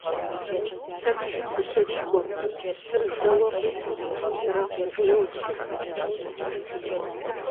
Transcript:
Лъэмыжым дыщрикӏуэм, псыр зэуэ къиури, ерагъ мыгъуейуэ дызэпрыкӏащ.